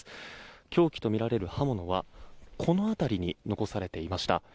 凶器とみられる刃物はこの辺りに残されていました。